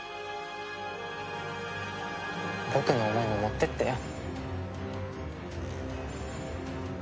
僕の思いも持ってってよ。